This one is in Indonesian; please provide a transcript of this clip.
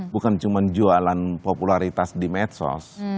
bukan cuma jualan popularitas di medsos